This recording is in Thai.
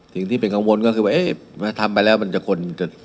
สิ่งที่เป็นกังวลก็คือว่าเอ๊ะทำไปแล้วมันจะคนจะ